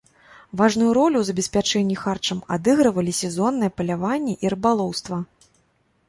Важную ролю ў забеспячэнні харчам адыгрывалі сезонныя паляванне і рыбалоўства.